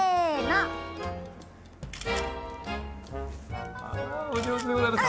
あお上手でございます。